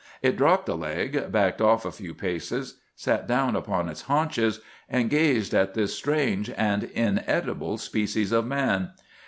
"It dropped the leg, backed off a few paces, sat down upon its haunches, and gazed at this strange and inedible species of man.